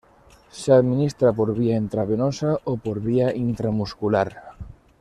Se administra por vía intravenosa o por vía intramuscular.